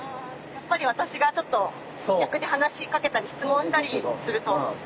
やっぱり私がちょっと逆に話しかけたり質問したりすると。